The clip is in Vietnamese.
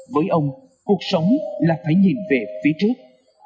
với ông cuộc sống là phải nhìn về phía trước